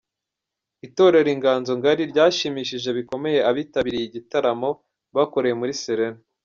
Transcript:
Itorero Inganzo Ngari ryashimishije bikomeye abitabiriye igitaramo bakoreye muri Serena.